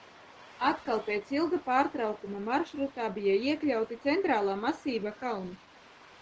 Atkal pēc ilga pārtraukuma maršrutā bija iekļauti Centrālā masīva kalni.